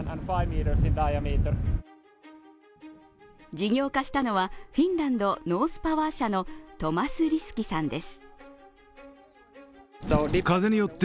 事業化したのはフィンランド・ノースパワー社のトマス・リスキさんです。